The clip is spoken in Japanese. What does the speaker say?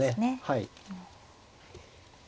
はい。